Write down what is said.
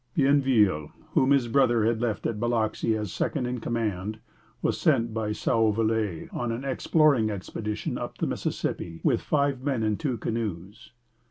Bienville, whom his brother had left at Biloxi as second in command, was sent by Sauvolle on an exploring expedition up the Mississippi with five men in two canoes.